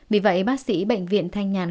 vì vậy bác sĩ bệnh viện thanh nhàn